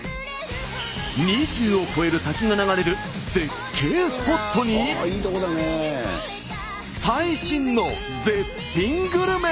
２０を超える滝が流れる絶景スポットに最新の絶品グルメ！